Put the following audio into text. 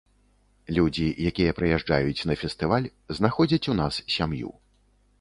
Людзі, якія прыязджаюць на фестываль, знаходзяць у нас сям'ю.